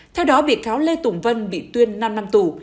theo đó bị cáo lê tùng vân bị tuyên năm năm tù